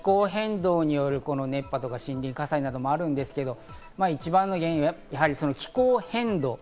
気候変動による熱波とか森林火災などもあるんですけど、一番の原因は気候変動。